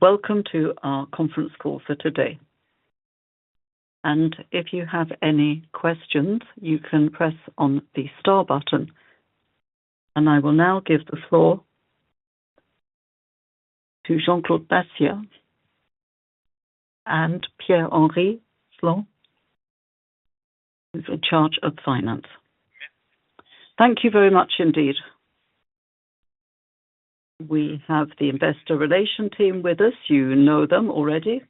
Welcome to our conference call for today. If you have any questions, you can press on the star button. I will now give the floor to Jean-Claude Bassien and Pierre-Henri Pouchelon, who is in charge of finance. Thank you very much indeed. We have the Investor Relations team with us. You know them already.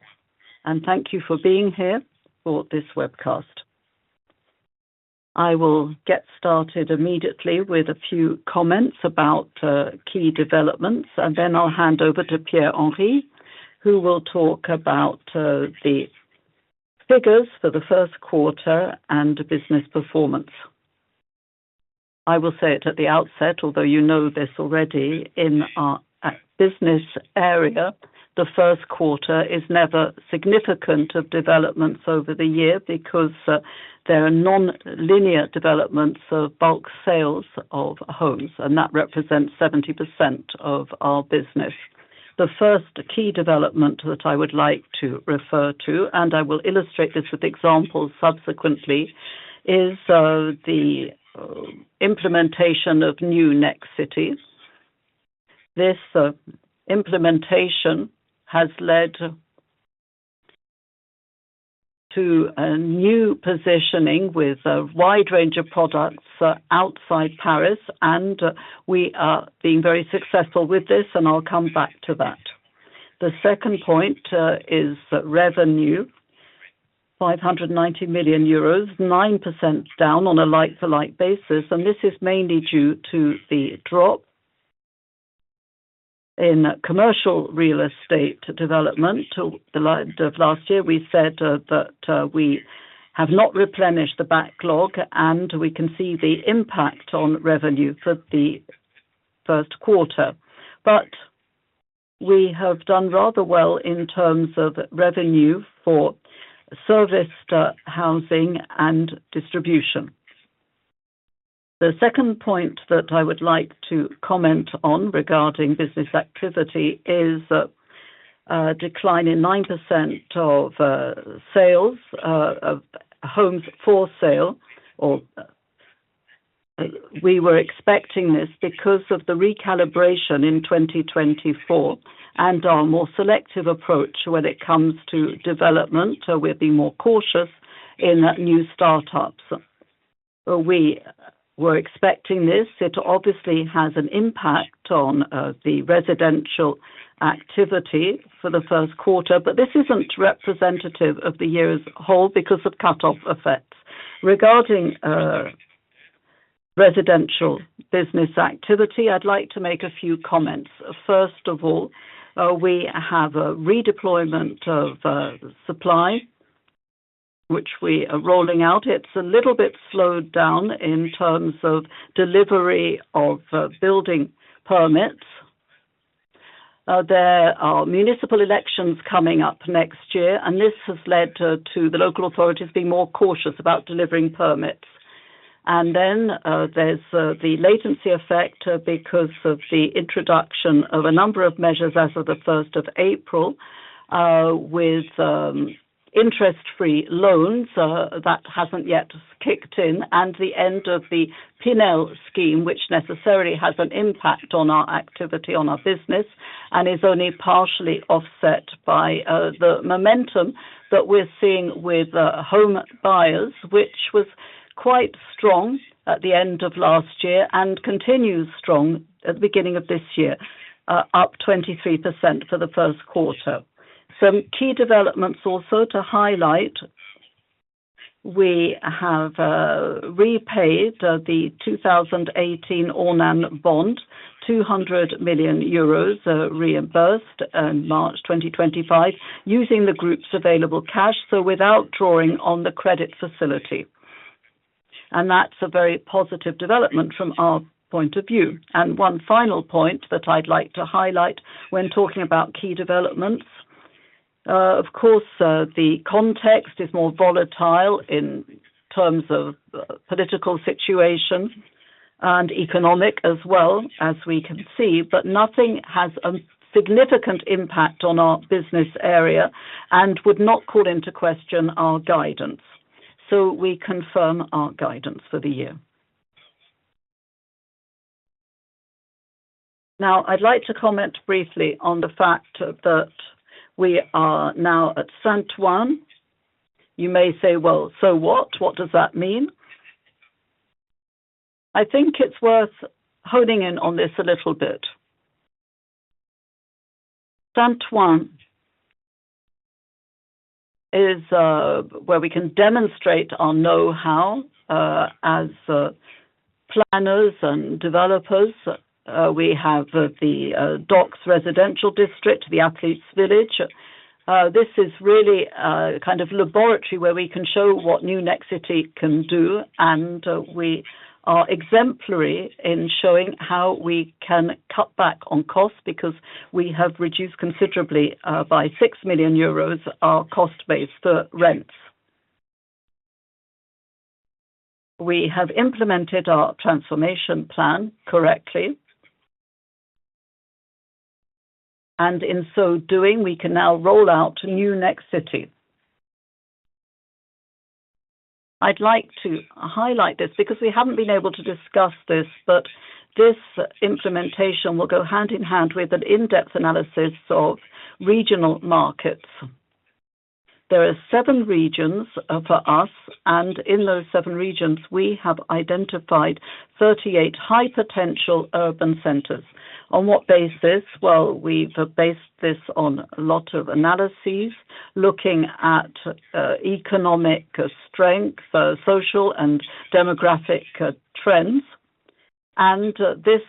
Thank you for being here for this webcast. I will get started immediately with a few comments about key developments, and then I will hand over to Pierre-Henry, who will talk about the figures for the first quarter and business performance. I will say it at the outset, although you know this already, in our business area, the first quarter is never significant of developments over the year because there are non-linear developments of bulk sales of homes, and that represents 70% of our business. The first key development that I would like to refer to, and I will illustrate this with examples subsequently, is the implementation of New Nexity. This implementation has led to a new positioning with a wide range of products outside Paris, and we are being very successful with this, and I'll come back to that. The second point is revenue, 590 million euros, 9% down on a like-for-like basis, and this is mainly due to the drop in commercial real estate development of last year. We said that we have not replenished the backlog, and we can see the impact on revenue for the first quarter. We have done rather well in terms of revenue for serviced housing and distribution. The second point that I would like to comment on regarding business activity is a decline in 9% of sales of homes for sale. We were expecting this because of the recalibration in 2024 and our more selective approach when it comes to development. We're being more cautious in new start-ups. We were expecting this. It obviously has an impact on the residential activity for the first quarter, but this isn't representative of the year as a whole because of cut-off effects. Regarding residential business activity, I'd like to make a few comments. First of all, we have a redeployment of supply, which we are rolling out. It's a little bit slowed down in terms of delivery of building permits. There are municipal elections coming up next year, and this has led to the local authorities being more cautious about delivering permits. There is the latency effect because of the introduction of a number of measures as of the 1st of April with interest-free loans that has not yet kicked in, and the end of the Pinel scheme, which necessarily has an impact on our activity, on our business, and is only partially offset by the momentum that we are seeing with home buyers, which was quite strong at the end of last year and continues strong at the beginning of this year, up 23% for the first quarter. Some key developments also to highlight. We have repaid the 2018 ORNANE bond, 200 million euros reimbursed in March 2025, using the group's available cash, so without drawing on the credit facility. That is a very positive development from our point of view. One final point that I would like to highlight when talking about key developments. Of course, the context is more volatile in terms of political situation and economic as well, as we can see, but nothing has a significant impact on our business area and would not call into question our guidance. We confirm our guidance for the year. Now, I'd like to comment briefly on the fact that we are now at Saint-Ouen. You may say, "Well, so what? What does that mean?" I think it's worth honing in on this a little bit. Saint-Ouen is where we can demonstrate our know-how as planners and developers. We have the Docks residential district, the Athletes' village. This is really a kind of laboratory where we can show what new Nexity can do, and we are exemplary in showing how we can cut back on costs because we have reduced considerably by 6 million euros our cost base for rents. We have implemented our transformation plan correctly. In so doing, we can now roll out new Nexity. I would like to highlight this because we have not been able to discuss this, but this implementation will go hand in hand with an in-depth analysis of regional markets. There are seven regions for us, and in those seven regions, we have identified 38 high-potential urban centers. On what basis? We have based this on a lot of analyses looking at economic strength, social, and demographic trends. This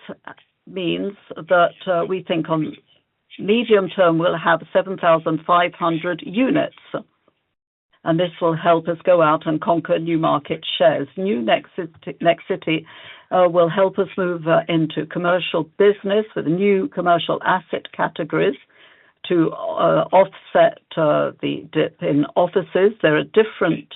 means that we think on medium term we will have 7,500 units, and this will help us go out and conquer new market shares. New Nexity will help us move into commercial business with new commercial asset categories to offset the dip in offices. There are different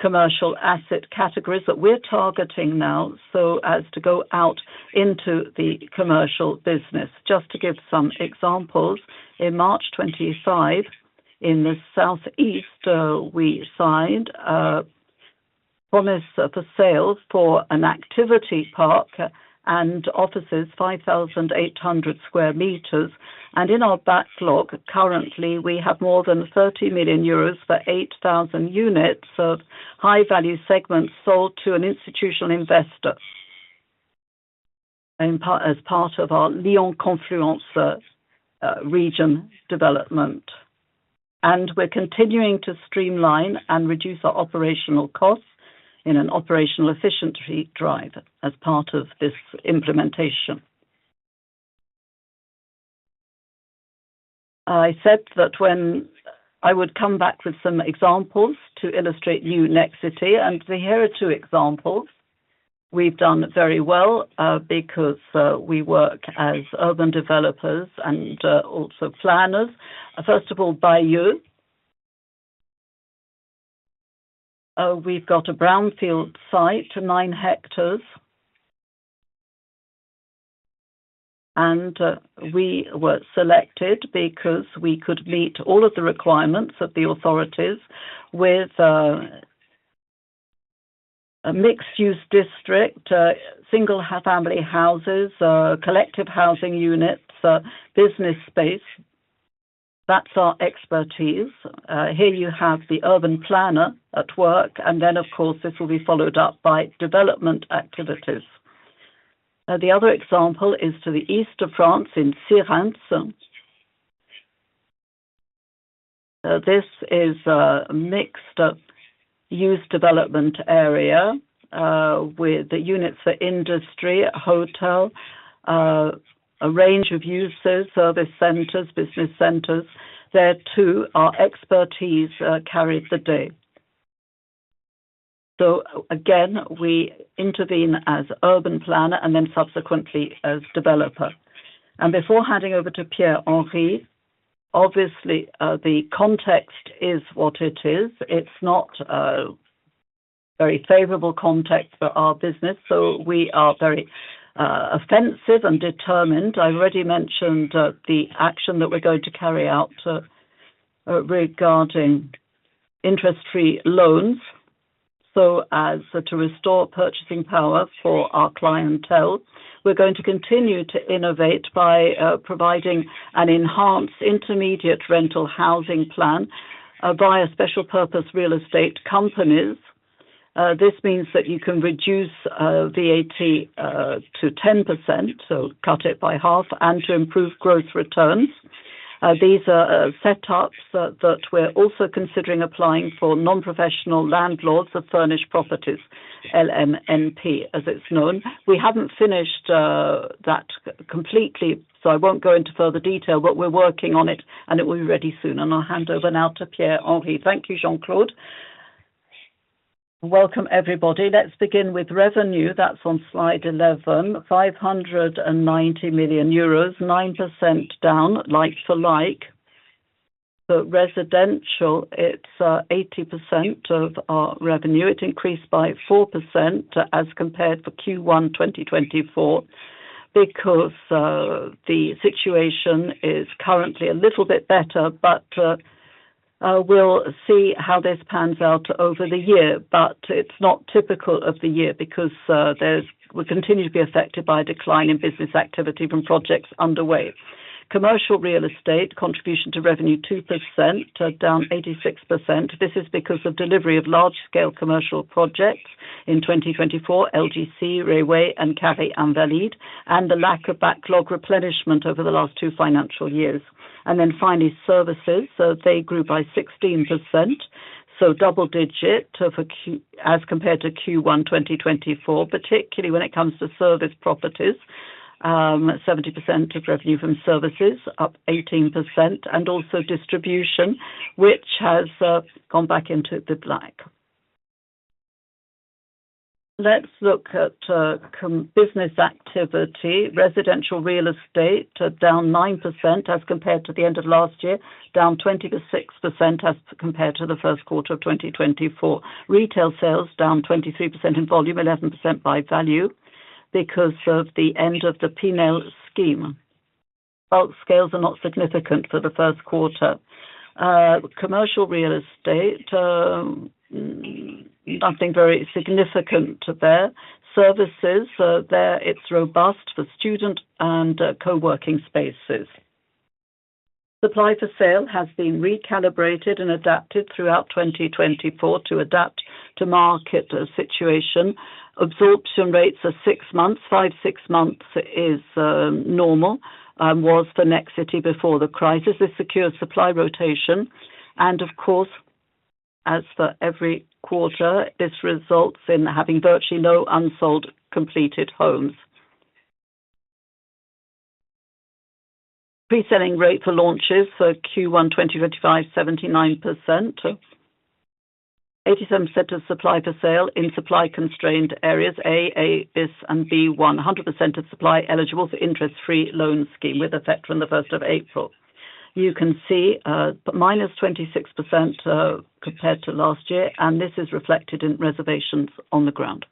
commercial asset categories that we are targeting now so as to go out into the commercial business. Just to give some examples, in March 2025, in the southeast, we signed a promise for sale for an activity park and offices, 5,800 sq m. In our backlog currently, we have more than 30 million euros for 8,000 units of high-value segments sold to an institutional investor as part of our Lyon Confluence region development. We are continuing to streamline and reduce our operational costs in an operational efficiency drive as part of this implementation. I said that I would come back with some examples to illustrate new Nexity, and here are two examples. We have done very well because we work as urban developers and also planners. First of all, Bayeux. We have a brownfield site, 9 hectares. We were selected because we could meet all of the requirements of the authorities with a mixed-use district, single-family houses, collective housing units, business space. That is our expertise. Here you have the urban planner at work, and then, of course, this will be followed up by development activities. The other example is to the east of France in Reims. This is a mixed-use development area with units for industry, hotel, a range of uses, service centers, business centers. There, too, our expertise carried the day. Again, we intervene as urban planner and then subsequently as developer. Before handing over to Pierre-Henry, obviously, the context is what it is. It is not a very favorable context for our business, so we are very offensive and determined. I already mentioned the action that we are going to carry out regarding interest-free loans. As to restore purchasing power for our clientele, we are going to continue to innovate by providing an enhanced intermediate rental housing plan via special-purpose real estate companies. This means that you can reduce VAT to 10%, so cut it by half, and to improve gross returns. These are setups that we're also considering applying for non-professional landlords of furnished properties, LMNP, as it's known. We haven't finished that completely, so I won't go into further detail, but we're working on it, and it will be ready soon. I'll hand over now to Pierre-Henry. Thank you, Jean-Claude. Welcome, everybody. Let's begin with revenue. That's on slide 11, 590 million euros, 9% down, like-for-like. For residential, it's 80% of our revenue. It increased by 4% as compared for Q1 2024 because the situation is currently a little bit better, but we'll see how this pans out over the year. It's not typical of the year because we continue to be affected by a decline in business activity from projects underway. Commercial real estate, contribution to revenue 2%, down 86%. This is because of delivery of large-scale commercial projects in 2024, LGC, Reiwa, and Carré Invalides, and the lack of backlog replenishment over the last two financial years. Finally, services, they grew by 16%, so double-digit as compared to Q1 2024, particularly when it comes to service properties. 70% of revenue from services, up 18%, and also distribution, which has gone back into the black. Let's look at business activity. Residential real estate, down 9% as compared to the end of last year, down 26% as compared to the first quarter of 2024. Retail sales, down 23% in volume, 11% by value because of the end of the Pinel scheme. Bulk sales are not significant for the first quarter. Commercial real estate, nothing very significant there. Services, there it's robust for student and coworking spaces. Supply for sale has been recalibrated and adapted throughout 2024 to adapt to market situation. Absorption rates are six months. Five, six months is normal and was for Nexity before the crisis. This secures supply rotation. As for every quarter, this results in having virtually no unsold completed homes. Pre-selling rate for launches for Q1 2025, 79%. 87% of supply for sale in supply-constrained areas, A, A bis, and B1. 100% of supply eligible for interest-free loan scheme with effect from the 1st of April. You can see -26% compared to last year, and this is reflected in reservations on the ground.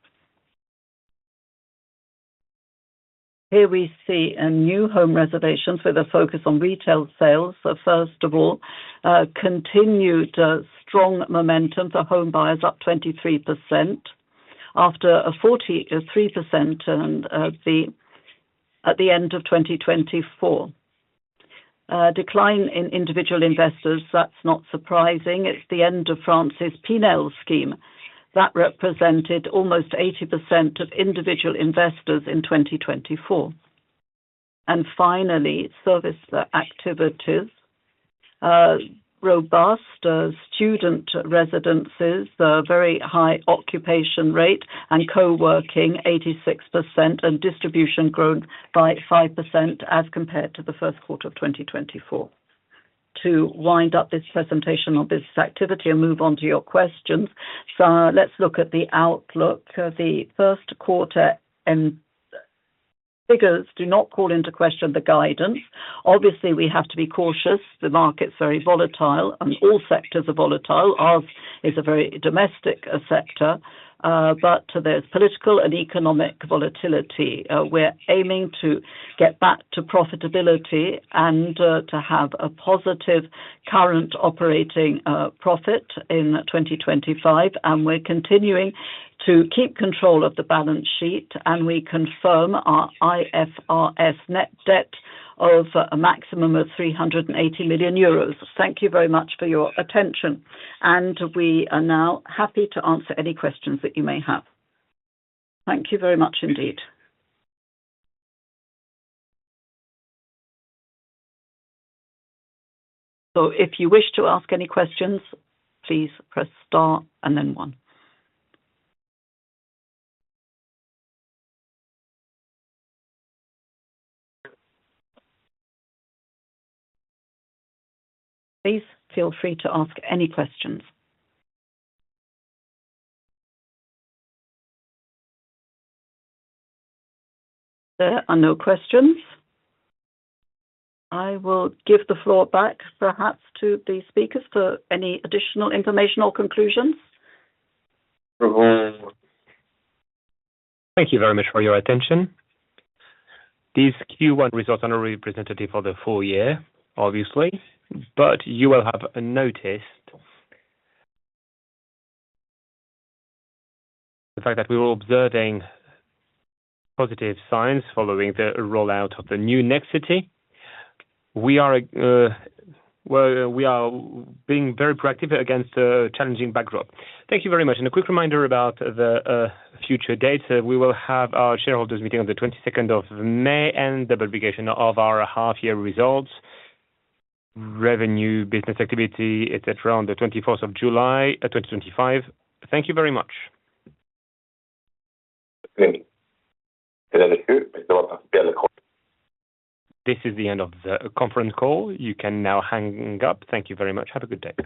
Here we see new home reservations with a focus on retail sales. First of all, continued strong momentum for home buyers, up 23% after a 43% at the end of 2024. Decline in individual investors, that's not surprising. It's the end of France's Pinel scheme. That represented almost 80% of individual investors in 2024. Finally, service activities, robust student residences, very high occupation rate, and co-working, 86%, and distribution grown by 5% as compared to the first quarter of 2024. To wind up this presentation on business activity and move on to your questions, let's look at the outlook. The first quarter figures do not call into question the guidance. Obviously, we have to be cautious. The market's very volatile, and all sectors are volatile. Ours is a very domestic sector, but there's political and economic volatility. We're aiming to get back to profitability and to have a positive current operating profit in 2025, and we're continuing to keep control of the balance sheet, and we confirm our IFRS net debt of a maximum of 380 million euros. Thank you very much for your attention, and we are now happy to answer any questions that you may have. Thank you very much indeed. If you wish to ask any questions, please press star and then one. Please feel free to ask any questions. There are no questions. I will give the floor back perhaps to the speakers for any additional information or conclusions. Thank you very much for your attention. These Q1 results are not representative of the full year, obviously, but you will have noticed the fact that we were observing positive signs following the rollout of the new Nexity. We are being very proactive against a challenging backdrop. Thank you very much. A quick reminder about the future dates. We will have our shareholders' meeting on the 22nd of May and the publication of our half-year results, revenue, business activity, etc., on the 24th of July 2025. Thank you very much. This is the end of the conference call. You can now hang up. Thank you very much. Have a good day.